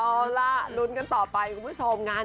ถือว่าแบบมันก็เลยแบบไปพูดกันง่าย